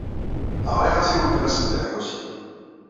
Ɣriɣ-as i weltma-s n Dda Lḥusin.